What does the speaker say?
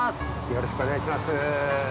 よろしくお願いします。